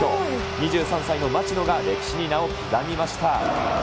２３歳の町野が歴史に名を刻みました。